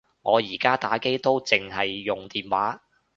我而家打機都剩係用電話